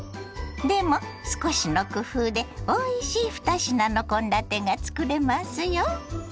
でも少しの工夫でおいしい２品の献立がつくれますよ。